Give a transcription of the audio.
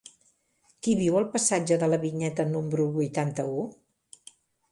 Qui viu al passatge de la Vinyeta número vuitanta-vuit?